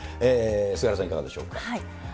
菅原さん、いかがでしょうか。